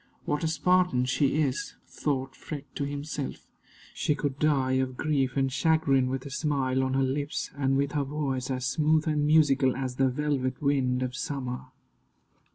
"What a Spartan she is!" thought Freke to himself. "She could die of grief and chagrin with a smile on her lips, and with her voice as smooth and musical as the velvet wind of summer."